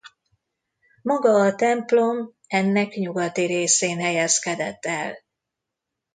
Maga a templom ennek nyugati részén helyezkedett el.